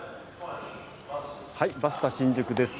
バスタ新宿です。